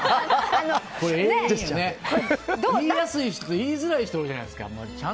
言いやすい人と言いづらい人がいるじゃないですか。